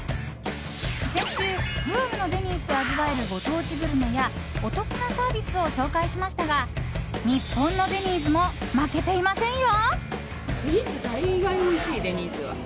先週、グアムのデニーズで味わえるご当地グルメやお得なサービスをご紹介しましたが日本のデニーズも負けていませんよ！